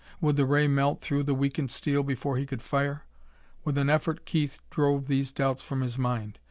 Would the ray melt through the weakened steel before he could fire? With an effort Keith drove these doubts from his mind